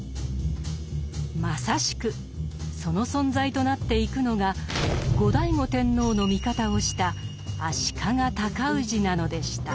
まさしくその存在となっていくのが後醍醐天皇の味方をした足利尊氏なのでした。